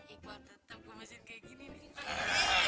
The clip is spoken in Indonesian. iqbal tetep kumesin kaya gini nih